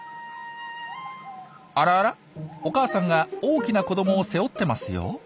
あらあらお母さんが大きな子どもを背負ってますよ。